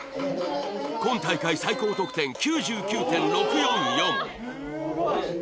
今大会最高得点９９．６４４